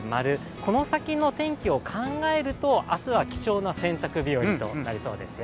この先の天気を考えると、明日は貴重な洗濯日和となりそうですよ。